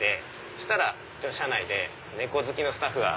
そしたら社内で猫好きのスタッフが。